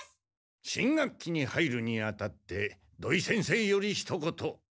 新学期に入るにあたって土井先生よりひと言。